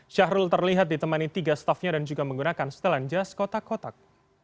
syahrul terlihat ditemani tiga staffnya dan juga menggunakan setelan jas kotak kotak